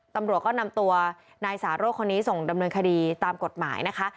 ตำรวจก็นำตัวนายสาโรธคนนี้ส่งดำเนินคดีตามกฎหมายนะคะ